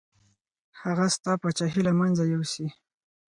هغه ستا پاچاهي له منځه یوسي.